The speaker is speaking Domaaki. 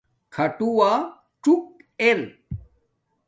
کھاٹووہ څوک ارے